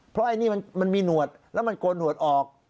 เพราะไอ้นี่มันมีหนวดแล้วมันโกนหนวดออก